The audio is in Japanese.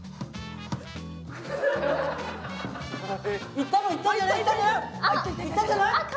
いったね、いったんじゃない。